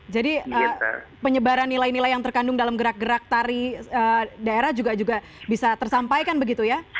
jadi penyebaran nilai nilai yang terkandung dalam gerak gerak tari daerah juga bisa tersampaikan begitu ya